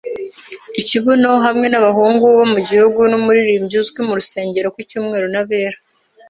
ikibuno, hamwe n'abahungu bo mu gihugu, n'umuririmbyi uzwi mu rusengero ku cyumweru n'abera '